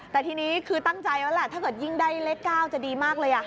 แต่ทีนี้คือตั้งใจแล้วแหละถ้าเกิดยิ่งได้เลข๙จะดีมากเลย